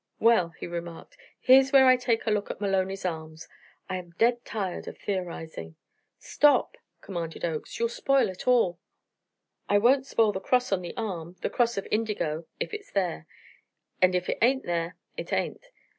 "Well," he remarked, "here's where I take a look at Maloney's arms I am dead tired of theorizing." "Stop!" commanded Oakes; "you'll spoil it all." "I won't spoil the cross on the arm the cross of indigo if it's there; and if it ain't there, it ain't.